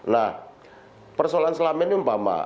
nah persoalan selama ini umpama